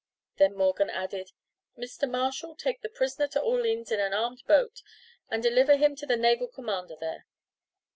Then Morgan added: "Mr. Marshal, take the prisoner to Orleans in an armed boat, and deliver him to the naval commander there."